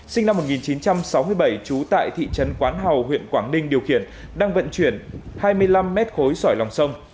sinh năm một nghìn chín trăm sáu mươi bảy trú tại thị trấn quán hào huyện quảng ninh điều khiển đang vận chuyển hai mươi năm m khối sỏi lòng sông